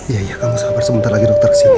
ya iya kamu sabar sebentar lagi dokter kesini aku ya